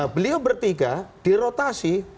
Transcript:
beliau bertiga dirotasi